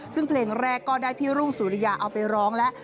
ซึ่งเพลงแรกก็ได้พี่รุ่งสุริยาเอาไปร้องแล้ว